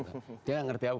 dia tidak mengerti apa